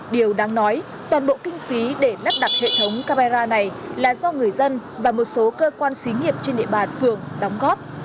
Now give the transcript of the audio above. điều đáng nói toàn bộ kinh phí để nắp đặt hệ thống camera này là do người dân và một số cơ quan xí nghiệp trên địa bàn phường đóng góp